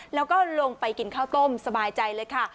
แล้วก็ลงไปกินข้าวต้มสบายใจเลยค่ะ